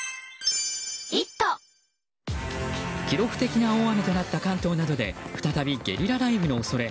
記録的な大雨となった関東などで再びゲリラ雷雨の恐れ。